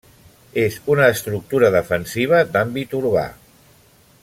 És una estructura defensiva d'àmbit urbà.